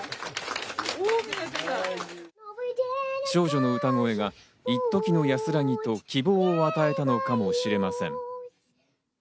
少女の歌声が一時の安らぎと希望を与えたのかもしれません。